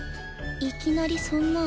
いきなりそんな。